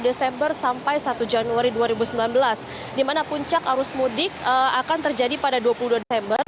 dua puluh satu desember sampai satu januari dua ribu sembilan belas dimana puncak arus mudik akan terjadi pada dua puluh dua desember